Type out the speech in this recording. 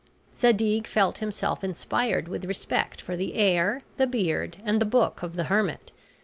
Zadig felt himself inspired with respect for the air, the beard, and the book of the hermit.